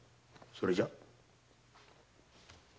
それじゃ。